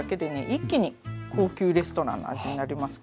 一気に高級レストランの味になりますから。